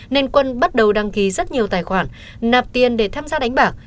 nên quân bắt đầu đăng ký rất nhiều tài khoản nạp tiền để tham gia đánh bạc